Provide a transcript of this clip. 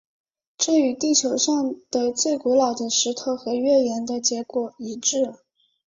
这与地球上的最古老的石头和月岩的结果一致。